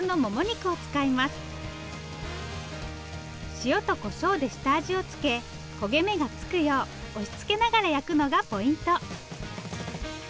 塩とこしょうで下味を付け焦げ目がつくよう押しつけながら焼くのがポイント。